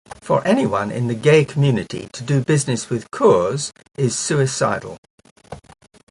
For anyone in the gay community to do business with Coors is suicidal.